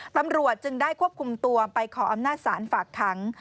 ตำรวจจึงได้ควบคุมตัวไปขออำนาจศาลฝากขัง